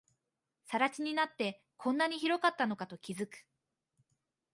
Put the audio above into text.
更地になって、こんなに広かったのかと気づく